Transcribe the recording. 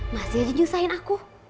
masih aja nyusahin aku